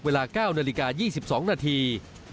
เวลา๙นาฬิกา๒๒นาที